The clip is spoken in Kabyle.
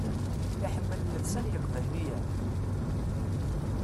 Iḥemmel llebsa n yeqbayliyen?